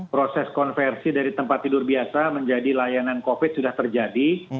proses konversi dari tempat tidur biasa menjadi layanan covid sudah terjadi